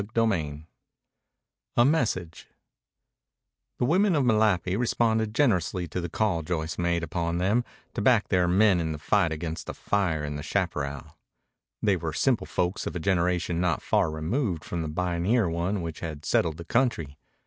CHAPTER XL A MESSAGE The women of Malapi responded generously to the call Joyce made upon them to back their men in the fight against the fire in the chaparral. They were simple folk of a generation not far removed from the pioneer one which had settled the country.